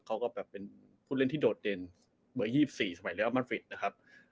เขาก็แบบเป็นผู้เล่นที่โดดเด่นเบอร์๒๔สมัยเรียลมันฟิตนะครับ